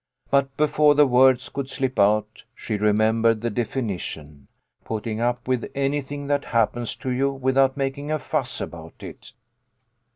But before the words could slip out she remembered the definition, "Putting up with anything that hap pens to you without making a fuss about it."